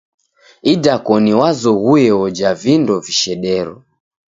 Idakoni wazoghue oja vindo vishedero.